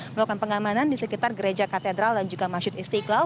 melakukan pengamanan di sekitar gereja katedral dan juga masjid istiqlal